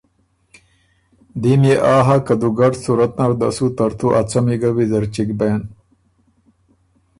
دیم يې آ هۀ که دُوګډ صورت نر ده سُو ترتُو ا څمی ګۀ ویزر چِګ بېن